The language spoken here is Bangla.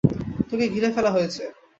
তোকে ঘিরে ফেলা হয়েছে।